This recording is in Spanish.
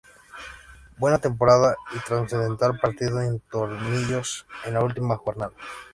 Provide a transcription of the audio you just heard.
Buena temporada y trascendental partido en Tomillos en la última jornada.